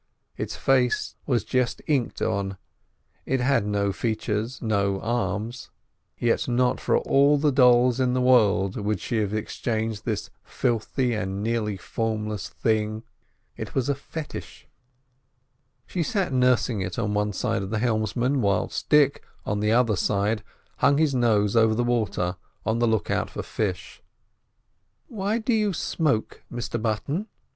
Its face was just inked on, it had no features, no arms; yet not for all the dolls in the world would she have exchanged this filthy and nearly formless thing. It was a fetish. She sat nursing it on one side of the helmsman, whilst Dick, on the other side, hung his nose over the water, on the look out for fish. "Why do you smoke, Mr Button?"